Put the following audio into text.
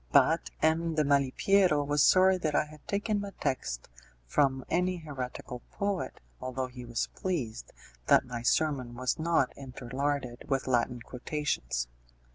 But M. de Malipiero was sorry that I had taken my text from any heretical poet, although he was pleased that my sermon was not interlarded with Latin quotations.